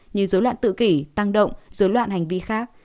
như dối loạn tự kỷ tăng động dối loạn hành vi khác